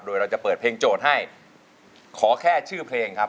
โดยเราจะเปิดเพลงโจทย์ให้ขอแค่ชื่อเพลงครับ